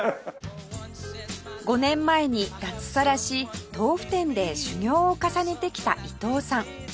５年前に脱サラし豆腐店で修業を重ねてきた伊藤さん